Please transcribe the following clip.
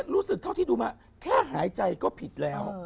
เท่าที่ดูมาแค่หายใจก็ผิดแล้ว